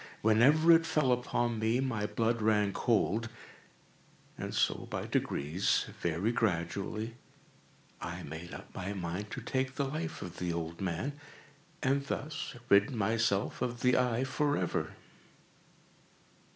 Whenever it fell upon me, my blood ran cold; and so by degrees—very gradually—I made up my mind to take the life of the old man, and thus rid myself of the eye forever.